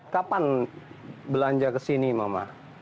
kapan belanja ke sini mama